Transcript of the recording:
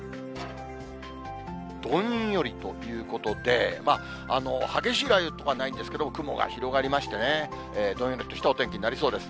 どんよりということで、激しい雷雨とかはないんですけれども、雲が広がりましてね、どんよりとしたお天気になりそうです。